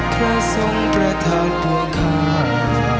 พระส่งประทานปัวคา